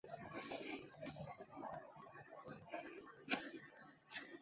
越南是否分布本种亦仍存疑。